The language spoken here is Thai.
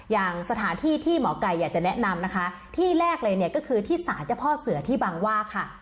อย่างสถานที่ที่หมอไก่อยากจะแนะนำนะคะที่แรกเลยเนี่ยก็คือที่สารเจ้าพ่อเสือที่บางว่าค่ะ